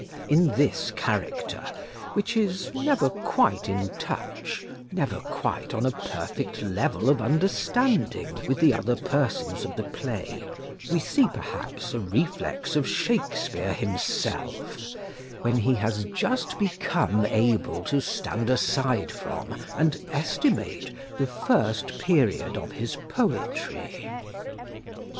In this character, which is never quite in touch, never quite on a perfect level of understanding, with the other persons of the play, we see, perhaps, a reflex of Shakespeare himself, when he has just become able to stand aside from and estimate the first period of his poetry.